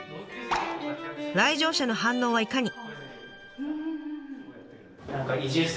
来場者の反応はいかに？